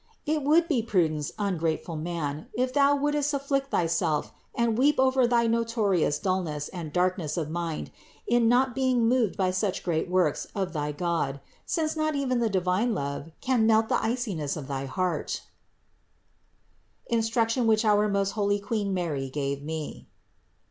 It would be prudence, ungrateful man, if thou wouldst afflict thy self and weep over thy notorious dullness and darkness of mind in not being moved by such great works of thy God ; since not even the divine love can melt the iciness of thy heart. THE INCARNATION 453 INSTRUCTION WHICH OUR MOST HOLY QUEEN MARY GAVE ME.